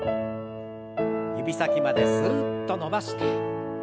指先まですっと伸ばして。